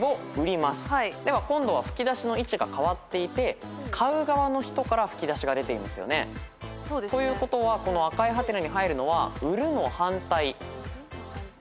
では今度は吹き出しの位置が変わっていて買う側の人から吹き出しが出ていますよね。ということはこの赤い「？」に入るのは「売る」の反対。